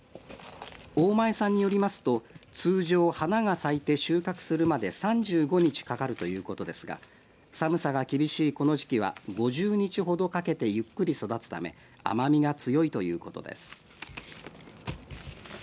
大前さんによりますと、通常花が咲いて収穫するまで３５日かかるということですが寒さが厳しいこの時期は５０日ほどかけてゆっくり育つため甘みが強いということです。